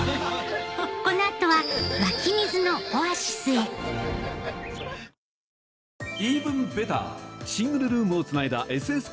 この後は湧き水のオアシスへ濱田マリ